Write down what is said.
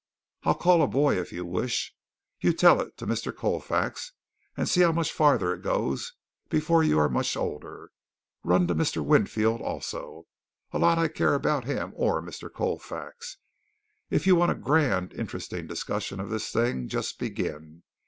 I'll call a boy, if you wish. You tell it to Mr. Colfax and see how much farther it goes before you are much older. Run to Mr. Winfield also. A lot I care about him or Mr. Colfax. If you want a grand, interesting discussion of this thing, just begin.